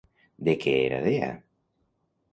De què era dea?